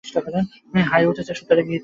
High উঠছে, সুতরাং ইতি।